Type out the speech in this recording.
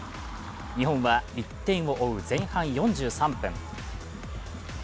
日本は１点を追う前半４３分。